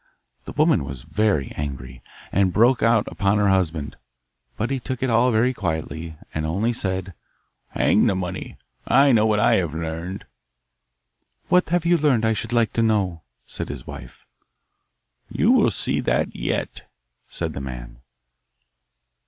The woman was very angry, and broke out upon her husband; but he took it all very quietly, and only said, 'Hang the money! I know what I have learned.' 'What have you learned I should like to know?' said his wife. 'You will see that yet,' said the man.